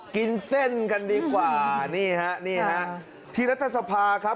กินเส้นกันดีกว่านี่ฮะนี่ฮะที่รัฐสภาครับ